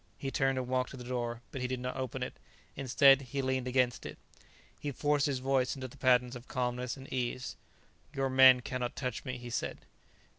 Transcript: He turned and walked to the door, but he did not open it. Instead, he leaned against it. He forced his voice into the patterns of calmness and ease. "Your men cannot touch me," he said.